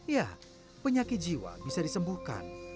ya penyakit jiwa bisa disembuhkan